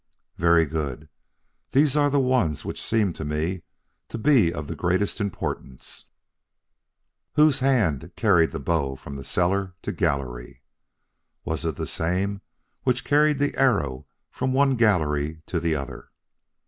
"Very good, these are the ones which seem to me to be of the greatest importance: "Whose hand carried the bow from cellar to gallery? "Was it the same which carried the arrow from one gallery to the other?